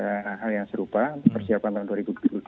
ada hal yang serupa persiapan tahun dua ribu dua puluh satu